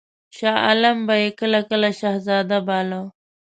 شاه عالم به یې کله کله شهزاده باله.